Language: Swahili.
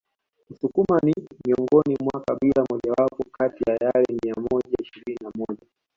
wasukuma ni miongoni mwa kabila mojawapo kati ya yale mia moja ishirini na moja